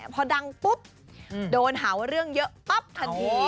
พอดังปุ๊บโดนหาว่าเรื่องเยอะปั๊บทันที